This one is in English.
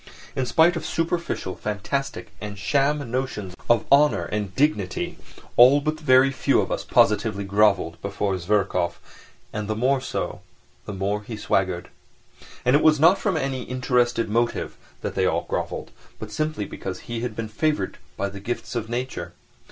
In spite of superficial, fantastic and sham notions of honour and dignity, all but very few of us positively grovelled before Zverkov, and the more so the more he swaggered. And it was not from any interested motive that they grovelled, but simply because he had been favoured by the gifts of nature.